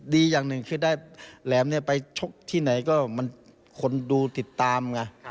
อย่างหนึ่งคือได้แหลมเนี่ยไปชกที่ไหนก็มันคนดูติดตามไง